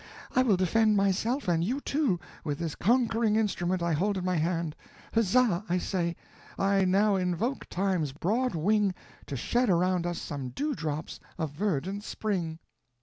I will defend myself and you, too, with this conquering instrument I hold in my hand; huzza, I say, I now invoke time's broad wing to shed around us some dewdrops of verdant spring."